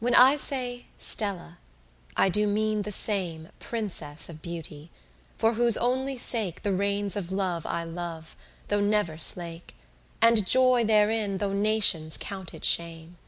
When I say "Stella," I do mean the same Princess of Beauty, for whose only sake The reins of Love I love, though never slake, And joy therein, though nations count it shame.